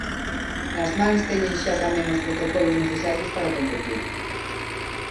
Nas mans teñen xa tamén os protocolos necesarios para competir.